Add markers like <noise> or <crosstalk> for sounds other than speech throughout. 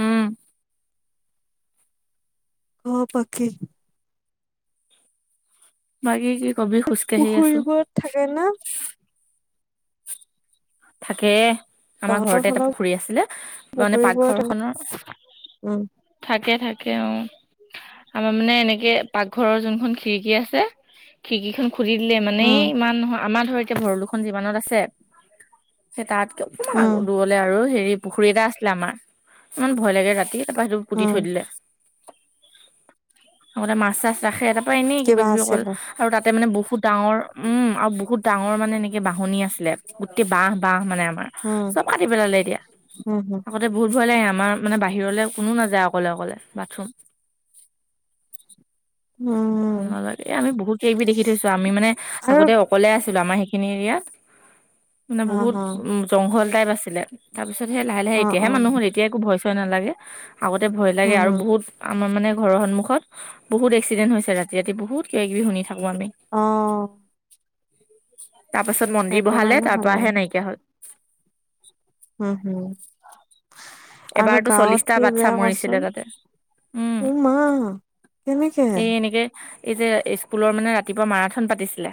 উম। ক বাকী। বাকী কি কবি খোজকাঢ়ি আছো। পুখুৰীবোৰত থাকে না। থাকে। আমাৰ তহঁতৰ ঘৰতে এটা ফালৰ পুখুৰী আছিলে, ত মানে পুখুৰীবোৰত পাকঘৰখনৰ এনেকুৱা উম থাকে থাকে অঁ। আমাৰ মানে এনেকে পাকঘৰৰ যোনখন খিৰিকী আছে। খিৰিকীখন খুুলি দিলে ইমানে উম মান নহয় আমাৰ ধৰ এতিয়া ভৰলোখন যিমানত আছে, সেই তাত অকনমান আগ উম দূৰলে আৰু হেৰি পুখুৰী এটা আছিলে আমাৰ, ইমান ভয় লাগে ৰাতি তাৰপা সেইটো পুতি উম থৈ দিলে। আগতে মাছ চাছ ৰাখে তাৰ পৰা এনেই কিবা কিবি অকল আৰু তাতে মানে বহুত ডাঙৰ উম, আৰু বহুত ডাঙৰ মানে এনেকে বাহনী আছিলে, গোটেই বাঁহ। বাঁহ মানে আমাৰ, উম চব কাটি পেলালে এতিয়া। উম হম বহুত ভয় লাগে আমাৰ, মানে বাহিৰলে কোনো নাযায় অকলে-অকলে বাথৰুম। উম এ আমি বহুত কিবা কিবি দেখি থৈছো, আমি মানে আৰু আগতে অকলে আছিলো আমাৰ সেইখিনি এৰিয়াত, মানে অ বহুত অ জংঘল টাইপ আছিলে। তাৰপিছত হে লাহে লাহে অ এতিয়াহে অ মানুহ হ'ল, এতিয়া একো ভয় চয় নালাগে আগতে ভয় লাগে, উম আৰু হম বহুত আমাৰ মানে ঘৰৰ সন্মুখত বহুত এক্সিদেন্ত হৈছে, ৰাতি ৰাতি বহুত কিবা কিবি শুনি থাকে। আমি, অ তাৰ পাছত মন্দিৰ সেইটো বহালে কাৰণে ভাল আৰু তাৰপাহে নাইকিয়া হ'ল। হম' হম 'আৰু এবাৰতো গাঁৱত চল্লিশটা কি বাচ্ছা বেয়া মৰিছিলে কচোন? তাতে উম অঁ মা কেনেকে? এই এনেকে এই যে স্কুলৰ মানে ৰাতিপুৱা মাৰাথান পাতিছিলে,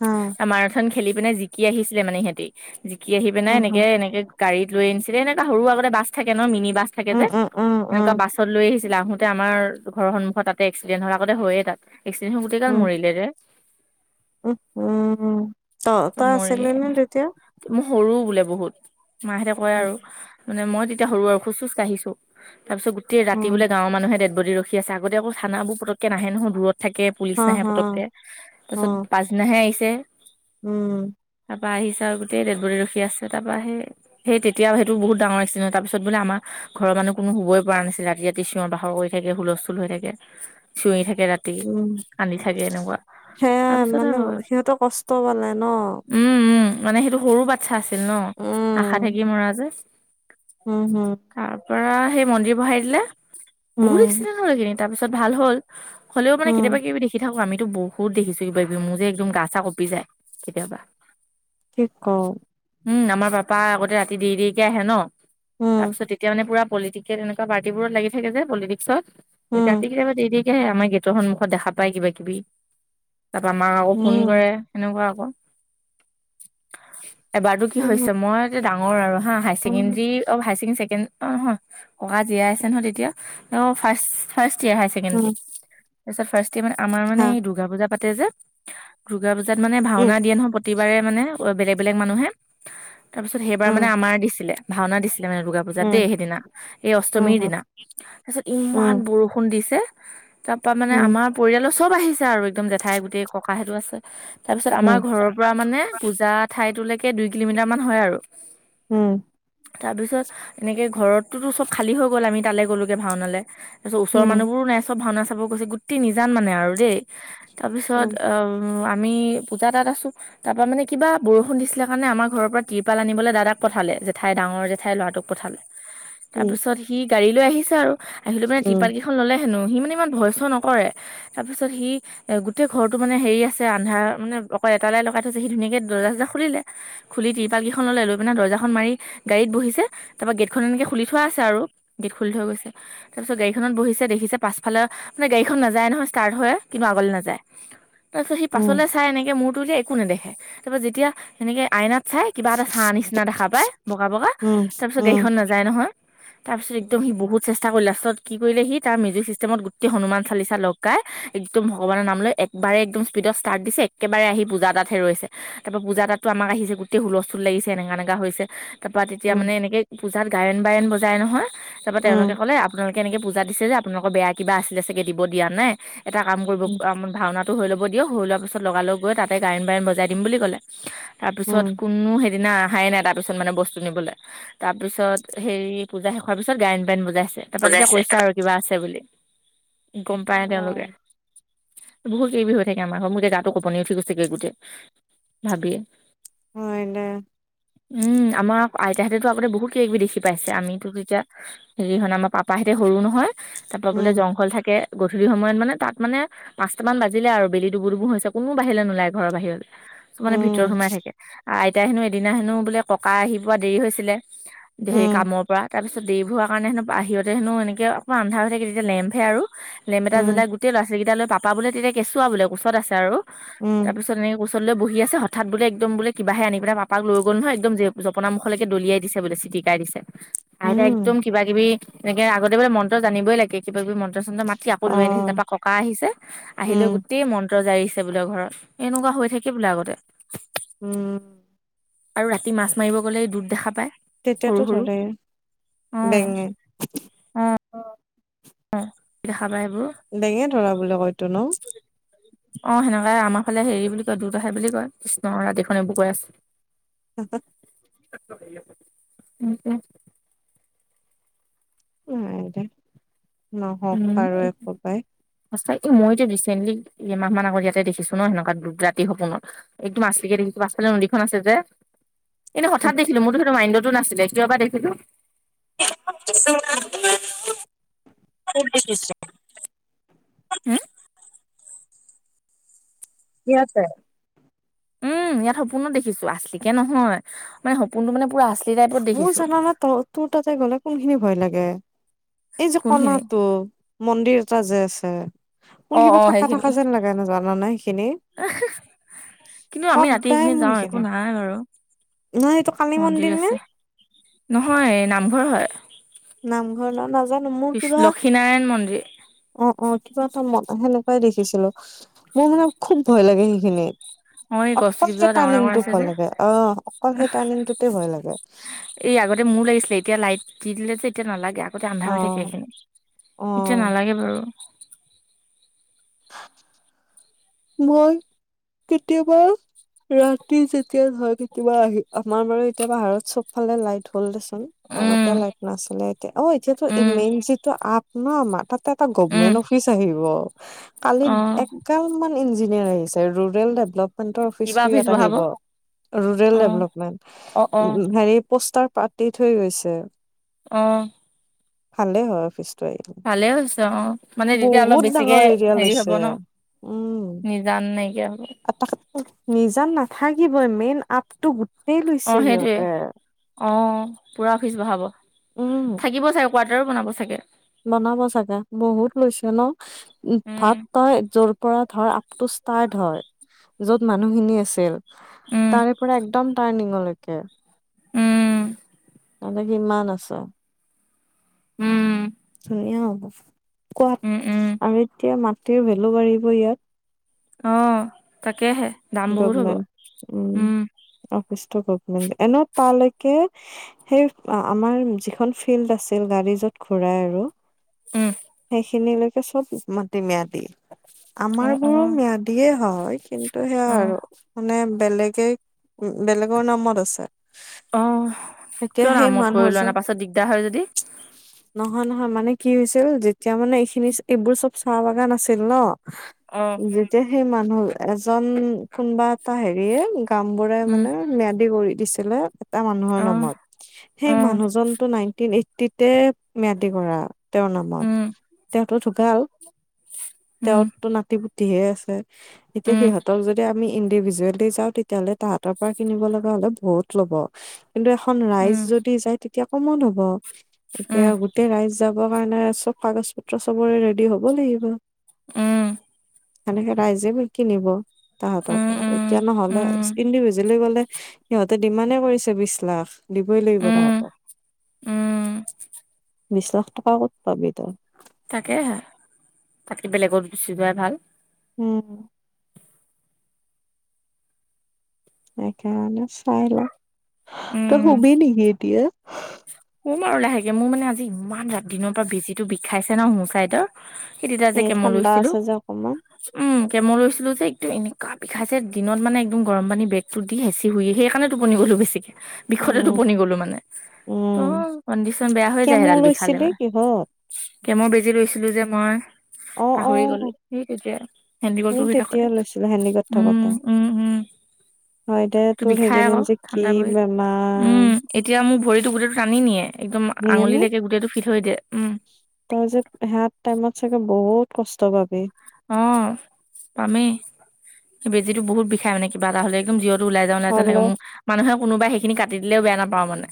হা মাৰাথান খি খেলি পিনে জিকি আহিছিলে মানে সিহঁতি, জিকি আহি পিনে উম হম এনেকে এনেকে গাড়ীত লৈ আনিছিলে, এনেকা সৰু আগতে বাছ থাকে ন, মিনি বাছ থাকে উম যে, উম উম সেনেকুৱা উম বাছ। ত লৈ আহিছিলে, আহোতে আমাৰ ঘৰৰ সন্মুখত তাতে এক্সিডেন্ত হল আগতে হয়য়ে তাত, এক্সিডেণ্টো হৈ গোটেগাল মৰিলে। উম হো। মৰি, মই সৰু বোলে বহুত মাহতে কয় উম আৰু। মানে মই তেতিয়া সৰু আৰু খোজ চোজ কাঢ়িছো, তাৰ পিছ গোটেই ৰাতি উম বোলে গাঁৱৰ মানুহে ডেদ বডি ৰখি আছে, আগতে আকৌ থানাবোৰ পতককে নাহে নহয় দূৰত থাকে, হা পুলিচ নাহে হা পতককে অ তাৰপিছত পা নাহে আহিছে। উম। তাপা আহিছে আৰু গোটেই ডেদবডি ৰখি আছে তাপা সেই সেই তেতিয়া সেইটো বহুত ডাঙৰ এক্সিডেণ্ট, তাৰপিছত বোলে আমাৰ ঘৰৰ মানুহ কোনো শুবই পৰা নাছিল, ৰাতি ৰাতি চিঞৰ বাখৰ কৰি থাকে, হুলস্থুল হৈ থাকে, চিঞৰি থাকে ৰা উম কান্দি থাকে এনেকুৱা, তাৰপিছত সিহঁতৰ কছ ষ্ট পালে ন। উম' উম' মানে সেইটো সৰু বাচ্ছা আছিল ন, আশা উম থাকি মৰা যে। উম। তাপা সেই মন্দিৰ বহাই দিলে, বহুত উম এক্সিডেণ্ট হল সেইখিনিত, তাৰপিছত ভাল হল। হলেও মানে উম কেতিয়াবা কিবা কিবি দেখি থাকো, আমিতো বহুত দেখিছো কিবা কিবি মোৰ যে একদম গা কপি যায়। কেতিয়াবা। কি কওঁ? উম আমাৰ পাপা আগতে ৰাতি দেৰি দেৰিকে আহে ন, উম তাৰপিছত তেতিয়া মানে পুৰা পলিটিক তেনেকুৱা পাৰ্টিবোৰত লাগি থাকে যে পলিটিক্সত। ৰাতি উম কেতিয়াবা দেৰিকে দেৰিকে আহে, আমাৰ গেটৰ সন্মুখত দেখা পাই কিবা কিবি। তাপা মাক আকৌ ফোন উম কৰে সেনেকুৱা আক। এবাৰটো কি হৈছে, উম মই ডাঙৰ আৰু হা, হাই ছেকেণ্ডৰী অ হাই ছেকেণ্ডি ছেকেণ্ড অ ককা জীয়াই আছে নহয় তেতিয়া, অ first first year high um secondary. তাৰপিছত ফাৰ্ষ্ট ইয়াৰ মানে আমাৰ মানে হা দুৰ্গা পূজা পাতে যে, দুৰ্গা পূজাত মানে উম ভাওনা দিয়ে নহয় প্ৰতি বাৰে মানে বেলেগ বেলেগ মানুহে, তাৰ পিছত সেইবাৰ উম মানে আমাৰ দিছিলে ভাওনা দিছিলে মানে দুৰ্গা পূজা উম দেই সেইদিনা, এই উম অষ্টমীৰ হম দিনা, তাৰপিছত উম ইমান বৰষুণ দিছে। তাপা মানে উম আমাৰ পৰিয়ালৰ চব আহিছে আৰু, একদম জেঠাই গোটেই ককাহেতো আছে। তাৰ পিছত উম আমাৰ ঘৰৰ পৰা মানে পূজা ঠাইতোলৈকে দুই কিলোমিটাৰ মান হয় আৰু। উম। তাৰপিছত এনেকে ঘৰতটোতো চব খালী হৈ গ'ল, আমি তালৈ গ'লোগে ভাওঁনালে। তাৰপিছত ওচৰৰ মানুহবোৰো নাই চব ভাওনা চাব গৈছে, গোটেই নিজান মানে আৰু দেই, উম তাৰপিছত উম অ' উ, আমি পূজা এটাত আছোঁ তাৰ পৰা মানে কিবা বৰষুণ দিছিলে কাৰণে আমাৰ ঘৰৰ পৰা তিৰপাল আনিব দাদাক পঠালে, জেঠাই ডাঙৰ জেঠাই ল'ৰাটোক পঠালে। <inaudible> তাৰপিছত সি গাড়ী লৈ আহিছে আৰু, আহিলে লৈ মানে টিৰপাল কেই খন ল'লে হেনো সি মানে ইমান ভয় চয় নকৰে, তাৰপিছত সি এ, গোটেই ঘৰটো মানে হেৰি আছ তে আন্ধাৰ মানে অকল এটা লাইট লগাই থৈছে, সি ধুনীয়াকে দৰ্জা চৰ্জা খুলিলে খুলি তিৰপাল কেইখন ল'লে লৈ পিনে দৰ্জাখন মাৰি গাড়ীত বহিছে তাৰ পৰা গেটখন এনেকে খুলি থোৱা আছে আৰু, গেট খুলি থৈ গৈছে। তাৰপিছত গাড়ীখনত বহিছে, দেখিছে পাছফালে মে গাড়ীখন নযায় নহয়, ষ্টাৰ্ট হৈ কিবা আগলৈ নাযায়। তাৰপিছত সি উম পাছলৈ চাই এনেকে মূৰটোলে একো নেদেখে, তাৰপাছত যেতিয়া এনেকে আইনাত চাই কিবা এটা ছা নিচিনা দেখা পায় বগা বগা উম উম তাৰপিছত উম গাড়ীখন নাযায় নহয়। তাৰপিছত একদম সি বহুত চেষ্টা কৰি, লাষ্টত কি কৰিলে সি তাৰ মিউজিক চিছটেমত গোটেই হনুমান চালিচা লগ পাই একদম ভগৱানৰ নাম লৈ একবাৰে একদম স্পীডত ষ্টাৰ্ট দিছে, একেবাৰে আহি পূজা এটাতহে ৰৈছে। তাৰ পৰা পূজা এটাততো আমাক আহিছে, গোটেই হুলস্থুল লাগিছে, এনেকা এনেকা হৈছে। তাৰ পৰা তেতিয়া মানে উম এনেকে পূজাত গায়ন বায়ন বজাই নহয় তাৰ পৰা উম তেওঁলোকে ক'লে আপোনালোক কেনেকে পূজা দিছে যে আপোনালোকৰ বেয়া কিবা আছিলে চাগে দিব দিয়া নাই, এটা কাম কৰিব উম ভাওনাটো হৈ ল'ব দিয় সৰু লোৱাৰ পিছ লগা লগ গৈ তাতে গায়ন বায়ন বজাই দিম বুলি ক'লে। তাৰপিছত উম কোনো সেইদিনা আহা নাই তাত। তাৰপিছত মানে বস্তু নিবলৈ, তাৰপিছত হেৰি পূজা শেষ পিছত গায়ন বায়ন বজাইছে। তাৰপা তেতিয়া বুজাইছে হৈছে আৰু কিবা আছে বুলি, গম পায় তেওঁলোকে। বহুত এই বিষয়ে <unintelligible> মোৰ যে গাটো কপনি উঠি গৈছেগৈ গোটেই ভাবিয়ে। হয় দে। উম, আমাৰ আইতাহঁতেতো আগতে বহুত কিবা কিবি দেখি পাইছে, আমিতো তেতিয়া হেৰি হয় ন' আমাৰ পাপাহেতে সৰু নহয় তাৰপা বোলে উম জংঘল থাকে, গধূলি সময়ত মানে তাত মানে পাঁচটা মান বাজিলে আৰু বেলি দুুবু দুবু হৈছে, কোনো বাহিৰেলে নোলাই ঘৰ বাহিৰলৈ চব মানে উম ভিতৰত সোমাই থাকে। আৰু আইতাই হেনো এদিনা হেনো বোলে ককা আহি পোৱা দেৰি হৈছিলে হেৰি উম কামৰ পৰা তাৰপিছত দেৰি হোৱাৰ কাৰণে বাহিৰতে হেনো এনেকে আন্ধাৰ হৈ থাকে তেতিয়া লেম্পে আৰু লেম্প এটা উম জ্বলাই ল'ৰা ছোলৱালী কেইটা লৈ, পাপা বোলে তেতিয়া কেঁচুৱা বোলে কোচত আছে আৰু, উম তাৰপিছত এনেকে কৈ ছোতালত লৈ বহি আছে হঠাৎ বোলে একদম বোলে কিবাহে আনি পেলাই পাপাক লৈ গ'ল নহয়, একদম জপনা মুখলৈকে দলিয়াই দিছে চিটি টাই দিছে। আইতা উম একদম কিবা কিবি এনেকে আগতে বোলে মন্ত্ৰ জানিবই লাগে কিবা কিবি মন্ত্ৰ চন্ত্ৰ মাতি আকৌ অ লৈ আনিছে তাৰপৰা ককা আহিছে আহি লৈ উম গোটেই মন্ত্ৰ জাৰিছে বোলে ঘৰত, এনেকুৱা হৈ থাকে বোলে আগতে। উম। আৰু ৰাতি মাছ মাৰিব গ'লে দূত দেখা পায়, তেতিয়াতো সৰু সৰু, ধৰে অ'। বেঙে অ' দেখা পাই সেইবোৰ। ডেঙে ধৰা বুলা কয়তো ন'? অ' সেনেকাই আমাৰ ফালে হেৰি বুলি কয় দুত আহে বুলি কয়। কৃষ্ণ ৰাতিখন এইবোৰ কৈ আছোঁ। <inaudible> <unintelligible> নাই দে, নহওক বাৰু একোপাই। সচা এ, মইতো ৰিচেণ্টলি এমাহ মান আগত ইয়াতে দেখিছোঁ ন' সেনেকুৱা দুত ৰাতি সপোনত। একদম আছলিকে দেখিছোঁ, পাছফালে নদীখন আছে যে এনে হঠাৎ দেখো মোৰটো সেইটো মায়ণ্ডতো নাছিলে কিয় বা দেখিলো? <unintelligible> হুম। কি আছে? উম, ইয়াত সপোনত দেখিছো। আছিলিকে নহয় মানে, সপোনটো মানে পুৰা আছলি। মোৰ জানা নে, ত তোৰ তাতে গ'লে কোনখিনি ভয় লাগে? এই যে কোনখিনি কণাতটো মন্দিৰ এটা যে আছে, অ মোৰ অ কিবা থাকা থাকা যেন লাগে। জাননা নাই সেইখিনি। উহু। কিন্তু আমি ৰাতি সদায় এইখিনি মোৰ যাওঁ একো সেইখিনি নাই বাৰু নাই এইটো কালি মন্দিৰ নে আছেঁ। ন'হয় নামঘৰ হয়। নামঘৰ নে নাজানো মোৰ পিছ কিবা লক্ষীনাৰায়ণ মন্দিৰ অ', অ', কিবা এটা মতা সেনেকুৱাই দেখিছিলো মোৰ মানে খুব ভয় লাগে সেইখিনি। অ এই গছ অকল কেইজোপা সেই ডাঙৰ ডাঙৰ টাৰ্ণিংটো আছে যে ভয় লাগে। অ' অকল সেই টাৰ্ণিংটোতে ভয় লাগে। এই আগতে মোৰ লাগিছিলে এতিয়া লাইট দি দিলে যে এতিয়া নালাগে। গোতে আন্ধাৰ অ হৈ থাকে সেইখিনি অ এতিয়া নালাগে বাৰু। মই কেতিয়াবা ৰাতি যেতিয়া ধৰ কেতিয়াবা আহি আমাৰ বাৰু এতিয়া পাহাৰত চব ফালে লাইট হ'ল দেছোন। আগতে উম লাইট নাছিলে এতিয়া অ', এতিয়ো উম মেইন যিটো আপ ন, আমাৰ তাত এটা উম গভমেন্ট অফিচ আহিব কালি অ এক এগাল মান ইঞ্জিনিয়াৰ আহিছে ৰুৰেল ডেভলপ কিবা অফিচটো অফিচ ইয়াত বহাব আহিব ৰুৰেল অ ডেভলপমেন্ট অ অ উম, হেৰি পোষ্টাৰ পাতি থৈ গৈছে। অ'। ভালে হ'য় অফিচটো আহিল ভালে হৈছে অ মানে তেতিয়া অলপ বহুত বেছিকে ডাঙৰ এৰিয়া লৈছিল। হেৰি হ'ব তে ন উম নিজান নাইকিয়া হ'ব নিজান নাথাকিবই মেইন আপটো গো অ', সেইটোৱে অ', পুৰা অফিচ বহাব উম থাকিব চাগ কোৱাতৰ বনাব চাগে। বনাব চাগে বহুত লৈছো ন'। উম ভাত তই যৰ পৰা ধৰ আপ টু ষ্টাৰ্ট হয় যত মানুহখিনি আছিল উম তাৰে পৰা একদম টাৰ্নিিঙলৈকে। উম মানে সিমান আছে। উম। ধুনীয়া হ'ব উম কোৱাত উম আৰু এতিয়া মাটিৰ ভেলু বাঢ়িব ইয়াত। অ', তাকেহে দাম বহুত হ'ব উম। অফিষ্ট গভমেন্ত এনেও তালৈকে সেই আমাৰ যিখন ফিল্ড আছিল গাড়ী যত ঘুৰাই আৰু উম, সেইখিনিলৈকে চব মাটি ম্যাদী আমাৰ অ', বোৰো অ', ম্যাদি। দিয়ে হয় কিন্তু সেয়া অ', আৰু মানে বেলেগে বেলেগৰ নামত আছে। অ', এতিয়া কিয় নামত কৰিল লোৱা নাই? পাছত দিগদাৰ হয় যদি? নহয়-নহয় মানে কি হৈছিল যেতিয়া মানে এইখিনি এইবোৰ চব চাহ বাগান আছিল ন'। অ', যেতিয়া সেই মানুহ এজন কোনবা এটা হেৰিয়ে গাম বুৰাই উম, মানে ম্যাদি কৰি দিছিলে এটা মানুহৰ অ', নামত। সেই অ', মানুহজন টো নাইনটিন এইট্টিতে ম্যাদি কৰোৱা তেওঁৰ নামত উম, তেওঁতটো ঢুকাল উম, তেওঁতো নাতি পুতিহে আছে তেতিয়া উম, সিহঁতক যদি আমি ইণ্ডিভিজুৱেলি যাওঁ তেতিয়াহ'লে তাহাঁতৰ পৰা কিনিব লগা হলে বহুত ল'ব কিন্তু এখন ৰাইজ উম, যদি যায় তেতিয়া কমত হ'ব উম, এতিয়া গোটেই ৰাইজ যাবৰ কাৰণে চব কাগজ পত্ৰ চবৰে ৰেডি হ'ব লাগিব উম, সনেকে ৰাইজে যাব দিব উম, তাহতৰ পৰা উম, এতিয়া নহলে উম, ইন্দিবিজুৱালী গ'লে সিহ সিহতে ডিমানে কৰিছে বিছ লাখ দিবই লাগিব উম, ভাব উম, বিছ লাখ টকা ক'ত পাবি তই তাকে হে তাকে বেলেগত গুচি যোৱাই ভাল উম, সেইকাৰণে চাই লওঁ উম, তই শুবি নেকি এতিয়া? শুম আৰু লাহেকে মোৰ মানে আজি ইমান ৰাতিদিনৰ পৰা বেজিটো বিষাইছে ন সো চাইদৰ সেই তেতা যে এ কেম ঠাণ্ডা লৈছিলো আছে যে অকমান উম, কেমৰ লৈছিলো যে, একদম এনেকুৱা বিষাইছে দিনত মানে একদম গৰম পানী বেগ টো দি হেচি শুই সেইকাৰণে টোপনি গ'লো বেছিকে বিষতে উম টোপনি গলো মানে ত উম কণ্ডিশন বেয়া হৈ যায় কেমো সেইডাল বিষালে লৈছিলি মানে কিহত কেমৰ বেজি লৈছিলো যে মই অ অ পাহৰি গলি সেই তেতিয়া হেন্দিকত সেই পঢ়ি থাকোতে তেতিয়াই লৈছিলো হেণ্ডিকত উম, থাকোতে উম, উম, হয় দে তো তোৰ বিষাই আকৌ সেইকেইদিন যে কি ঠাণ্ডা পৰি উম বেমাৰ। এতিয়া মোৰ ভৰিতো গোটেইটো টানি নিয়ে একদম নিয়ে নে আঙুলিলৈকে গোটেই টো ফিট হৈ দিয়ে উম। তই যে সেয়াত টাইমত চাগে বহুত কষ্ট পাবি। অ' পামেই সেই বেজীটো বহুত বিষাই মানে। কিবা এটা হলে একদম জীৱটো ওলাই যাওঁ ওলাই যাওঁ লাগে, হ'লেও মোৰ মানুহে কোনোবাই সেইখিনি কাটি দিলেও বেয়া নাপাওঁ মানে।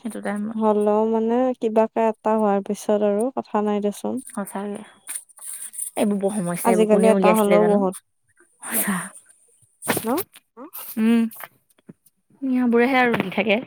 সেইটো টাইমত হলেও মানে কিবা কে এটা হোৱাৰ পিছত আৰু কথা নাই দেছোন। সচাকে। এইবোৰ বৰ সমস্যা এইবোৰ আজিকালি কোনে এটা উলিয়াইছিলে হ'লেও জানো, বহুত সঁচা। ন'। উম মুৰ বোৰেহে আৰু দি থাকে।